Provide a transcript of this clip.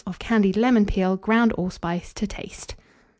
of candied lemon peel, ground allspice to taste.